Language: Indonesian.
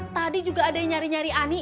tadi juga ada yang nyari nyari ani